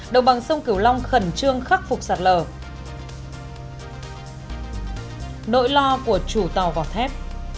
đội lo của chủ tàu gọt thép